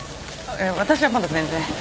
私はまだ全然。